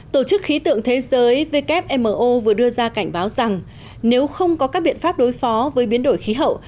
tổ chức khí tượng thế giới wmo vừa đưa ra cảnh báo rằng nếu không có các biện pháp đối phó với biến đổi khí hậu